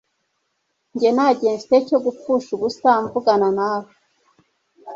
Njye nta gihe mfite cyo gupfusha ubusa mvugana nawe